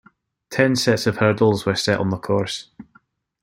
Ten sets of hurdles were set on the course.